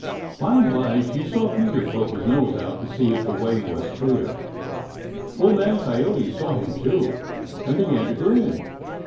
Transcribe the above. By and by she saw Peter poke his nose out to see if the way was clear. Old Man Coyote saw him too, and began to grin.